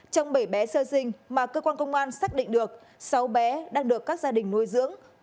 trong bảy bé sơ sinh mà cơ quan công an xác định được sáu bé đang được các gia đình nuôi dưỡng